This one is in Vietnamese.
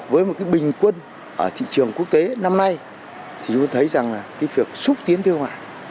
với một cái bình quân ở thị trường quốc tế năm nay thì chúng tôi thấy rằng là cái việc xúc tiến thương mại